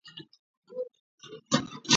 მათ ზოოსპორები და მოძრავი გამეტები არა აქვთ.